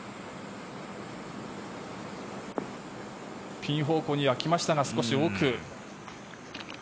ピン方向には来ましたが少し奥。